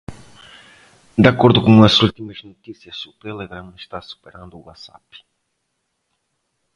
De acordo com as últimas notícias, o Telegram está superando o WhatsApp